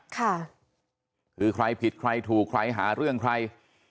ค่ะคือใครผิดใครถูกใครหาเรื่องใคร